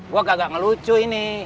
gue agak ngelucu ini